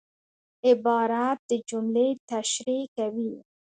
عبارت د جملې تشریح کوي.